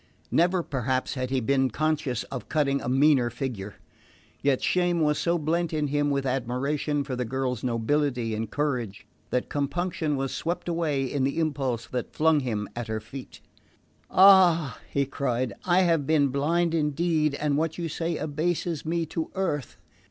Never perhaps had he been conscious of cutting a meaner figure; yet shame was so blent in him with admiration for the girl's nobility and courage, that compunction was swept away in the impulse that flung him at her feet. "Ah," he cried, "I have been blind indeed, and what you say abases me to earth.